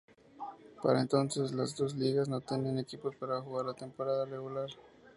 Para entonces, las dos ligas no tenían equipos para jugar la temporada regular.